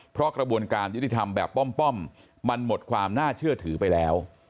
เพราะกระบวนการยุติธรรมแบบป้อมมันหมดความน่าเชื่อถือไปแล้ว